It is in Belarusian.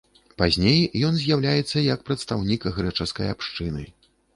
Пазней ён з'яўляецца як прадстаўнік грэчаскай абшчыны.